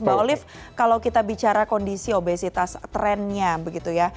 mbak olive kalau kita bicara kondisi obesitas trendnya begitu ya